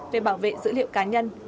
về bảo vệ dữ liệu cá nhân